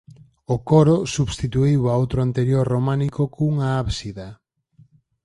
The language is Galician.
O coro substituíu a outro anterior románico cunha ábsida.